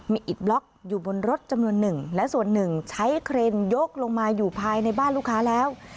มีอิดบล็อกอยู่บนรถจำนวนหนึ่งและส่วนหนึ่งใช้เครนยกลงมาอยู่ภายในบ้านลูกค้าแล้ว